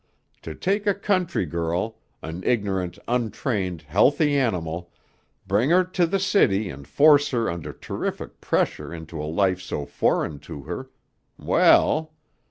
To take a country girl, an ignorant, untrained, healthy animal, bring her to the city and force her under terrific pressure into a life so foreign to her well!